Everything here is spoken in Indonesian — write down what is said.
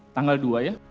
tanggal dua ya